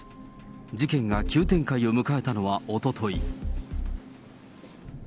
事件が急展開を迎えたのは、おととい。